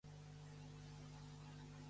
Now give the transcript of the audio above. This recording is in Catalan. Hem d'avan